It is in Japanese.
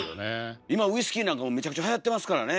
今ウイスキーなんかもめちゃくちゃはやってますからね。